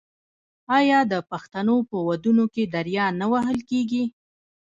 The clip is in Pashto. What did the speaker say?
آیا د پښتنو په ودونو کې دریا نه وهل کیږي؟